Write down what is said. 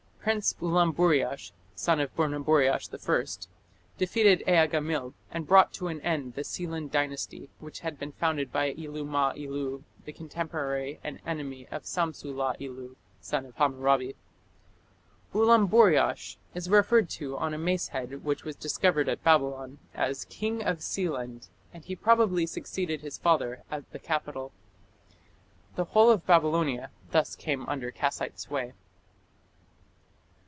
Prince Ulamburiash, son of Burnaburiash I, defeated Ea gamil and brought to an end the Sealand Dynasty which had been founded by Ilu ma ilu, the contemporary and enemy of Samsu la ilu, son of Hammurabi. Ulamburiash is referred to on a mace head which was discovered at Babylon as "king of Sealand", and he probably succeeded his father at the capital. The whole of Babylonia thus came under Kassite sway.